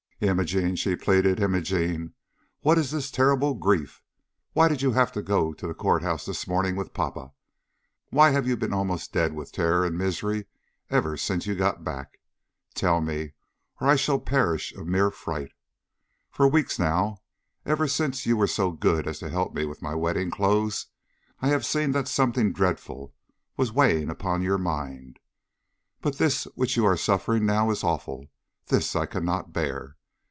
"Imogene," she pleaded, "Imogene, what is this terrible grief? Why did you have to go to the court house this morning with papa, and why have you been almost dead with terror and misery ever since you got back? Tell me, or I shall perish of mere fright. For weeks now, ever since you were so good as to help me with my wedding clothes, I have seen that something dreadful was weighing upon your mind, but this which you are suffering now is awful; this I cannot bear.